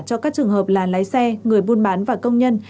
cho các trường hợp là lái xe người buôn bán và công nhân